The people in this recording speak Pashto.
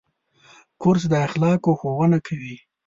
کورس د اخلاقو ښوونه کوي.